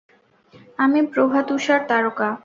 আমি প্রভাত-ঊষার তারকা।